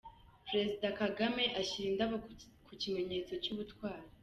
Perezida Kagame ashyira indabo ku kimenyetso cy’ubutwari